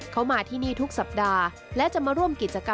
เข้ามาที่นี่ทุกสัปดาห์และจะมารู้สังคม